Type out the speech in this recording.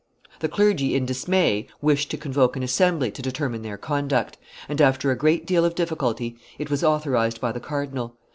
The clergy in dismay wished to convoke an assembly to determine their conduct; and after a great deal of difficulty it was authorized by the cardinal.